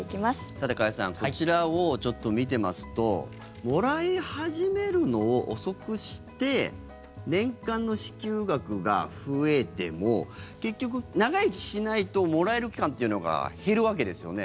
さて、加谷さんこちらをちょっと見てますともらい始めるのを遅くして年間の支給額が増えても結局、長生きしないともらえる期間というのが減るわけですよね。